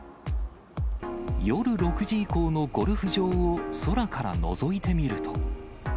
夜６時以降のゴルフ場を空からのぞいてみると。